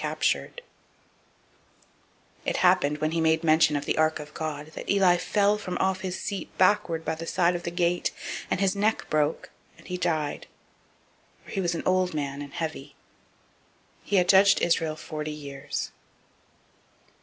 004:018 It happened, when he made mention of the ark of God, that [Eli] fell from off his seat backward by the side of the gate; and his neck broke, and he died: for he was an old man, and heavy. He had judged Israel forty years.